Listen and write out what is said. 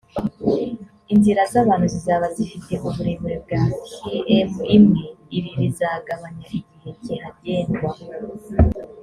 inzira z’abantu zizaba zifite uburebure bwa km imwe ibi bizagabanya igihe kihagendwa